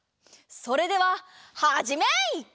それでははじめい！